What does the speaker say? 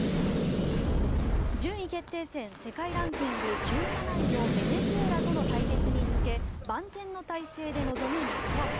順位決定戦世界ランキング１７位のベネズエラとの対決に向け万全の態勢で臨む日本。